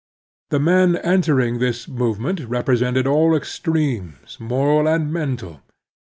The men entering this movement represented all extremes, moral and mental.